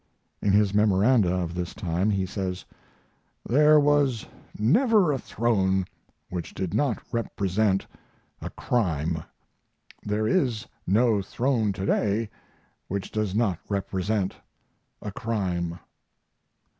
In his memoranda of this time he says: There was never a throne which did not represent a crime. There is no throne to day which does not represent a crime....